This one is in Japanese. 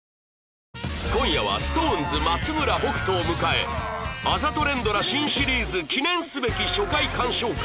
今夜は ＳｉｘＴＯＮＥＳ 松村北斗を迎えあざと連ドラ新シリーズ記念すべき初回鑑賞会